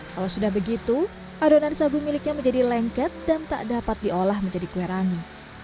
kalau sudah begitu adonan sagu miliknya menjadi lengket dan tak dapat diolah menjadi kue rangi